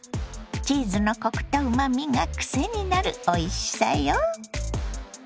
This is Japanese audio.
チーズのコクとうまみがクセになるおいしさよ。